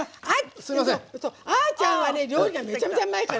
あーちゃんは料理、めちゃくちゃうまいから。